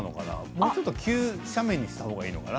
もうちょっと急斜面にしたほうがいいのかな。